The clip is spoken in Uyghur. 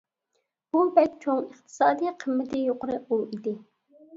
بۇ بەك چوڭ، ئىقتىسادىي قىممىتى يۇقىرى ئوۋ ئىدى.